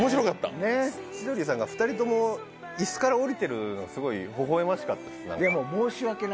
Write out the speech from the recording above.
千鳥さんが２人ともイスから下りてるのすごいほほ笑ましかったですなんか。